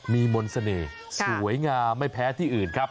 มีมนต์เสน่ห์สวยงามไม่แพ้ที่อื่นครับ